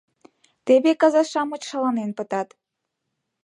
Теве каза-шамыч шаланен пытат!